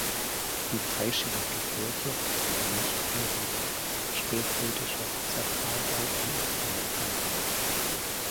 Die dreischiffige Kirche ist ein nicht einheitlicher, spätgotischer Sakralbau in exponierter Lage.